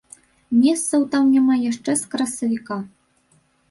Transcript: Месцаў там няма яшчэ з красавіка.